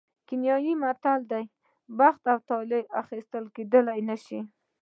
کینیايي متل وایي بخت او طالع اخیستل کېدای نه شي.